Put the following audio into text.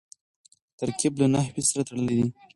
ترکیب له نحوي سره تړلی دئ.